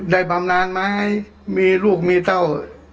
บำนานไหมมีลูกมีเต้า